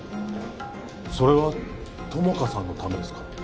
それは友果さんのためですか？